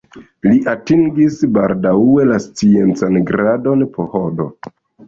Li atingis baldaŭe la sciencan gradon PhD.